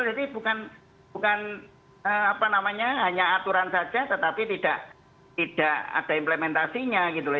jadi bukan hanya aturan saja tetapi tidak ada implementasinya